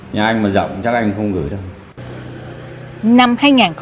nhà anh mà rộng chắc anh không gửi đâu